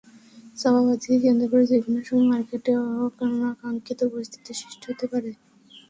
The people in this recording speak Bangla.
চাঁদাবাজিকে কেন্দ্র করে যেকোনো সময় মার্কেটে অনাকাঙ্ক্ষিত পরিস্থিতির সৃষ্টি হতে পারে।